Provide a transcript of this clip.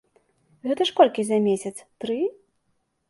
Гэта ж колькі за месяц, тры?